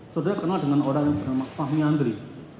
saudara kenal dengan orang yang bernama fahmi andri